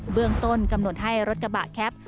เรื่องต้นกำหนดให้รถกระบะแคป